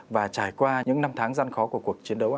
và trải qua những năm tháng gian khó của cuộc chiến đấu